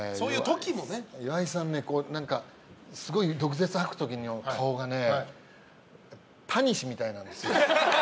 岩井さんねすごい毒舌を吐く時の顔がね、タニシみたいなんですよ。